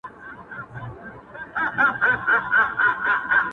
o خو چي تر کومه به تور سترگي مینه واله یې،